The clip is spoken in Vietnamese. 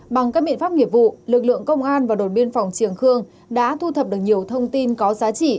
bằng các biện pháp nghiệp vụ lực lượng công an và đồn biên phòng triềng khương đã thu thập được nhiều thông tin có giá trị